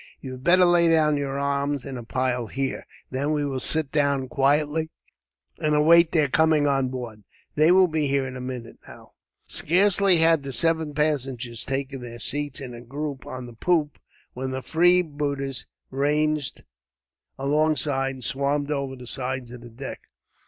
You had better lay down your arms in a pile, here. Then we will sit down quietly, and await their coming on board. They will be here in a minute, now." Scarcely had the seven passengers taken their seats in a group, on the poop, when the freebooters ranged alongside, and swarmed over the sides onto the deck.